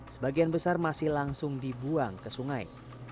sebagian besar masih langsung dibuang ke sungai